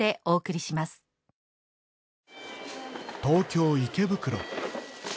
東京池袋。